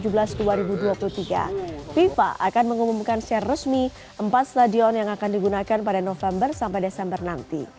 pada bulan juni viva akan mengumumkan secara resmi empat stadion yang akan digunakan pada november sampai desember nanti